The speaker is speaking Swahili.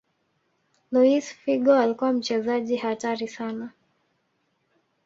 luis figo alikuwa mchezaji hatari sana